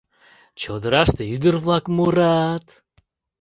Чодыраште ӱдыр-влак мурат: